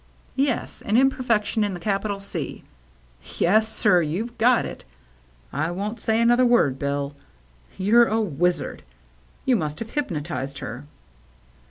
— yes, an imperfec tion in the capital C. Yes, sir, you've got it ! I won't say another word. Bill. You're i66 THE MERRT ANNE a wizard. You must have hypnotized her."